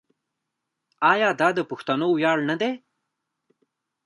آیا دا د پښتنو ویاړ نه دی؟